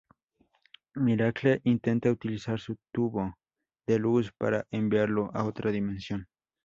Miracle intenta utilizar su tubo de luz para enviarlo a otra dimensión.